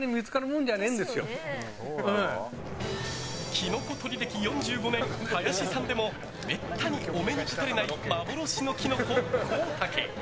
キノコ採り歴４５年林さんでもめったにお目にかかれない幻のキノコ、コウタケ。